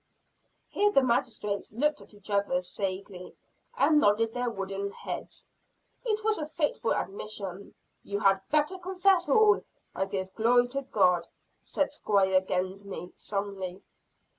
Here the magistrates looked at each other sagely, and nodded their wooden heads. It was a fatal admission. "You had better confess all, and give glory to God!" said Squire Gedney solemnly.